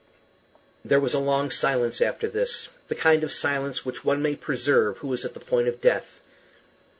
There was a long silence after this that kind of silence which one may preserve who is at the point of death.